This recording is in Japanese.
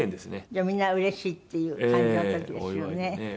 じゃあみんなうれしいっていう感じの時ですよね。